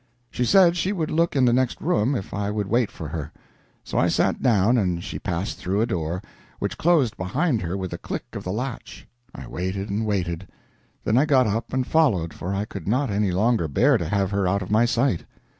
She said she would look in the next room if I would wait for her. So I sat down, and she passed through a door, which closed behind her with a click of the latch. I waited and waited. Then I got up and followed, for I could not any longer bear to have her out of my sight.